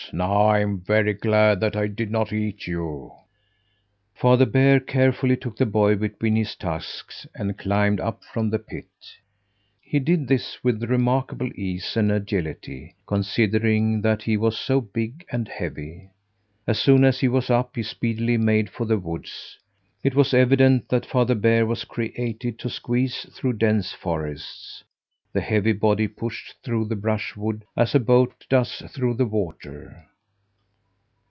Now I'm very glad that I did not eat you!" Father Bear carefully took the boy between his tusks and climbed up from the pit. He did this with remarkable ease and agility, considering that he was so big and heavy. As soon as he was up, he speedily made for the woods. It was evident that Father Bear was created to squeeze through dense forests. The heavy body pushed through the brushwood as a boat does through the water.